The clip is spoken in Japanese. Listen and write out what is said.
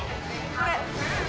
これ。